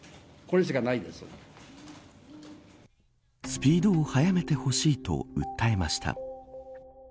スピードを速めてほしいと訴えました。